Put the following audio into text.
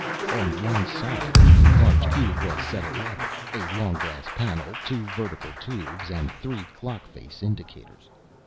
On one side of the large cube was set a lever, a long glass panel, two vertical tubes and three clock face indicators.